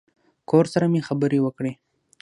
کور سره مې خبرې وکړې.